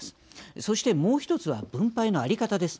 そして、もう一つは分配の在り方です。